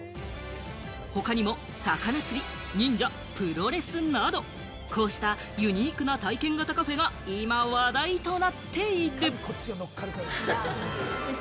他にも、魚釣り、忍者、プロレスなど、こうしたユニークな体験型カフェが今話題となっている。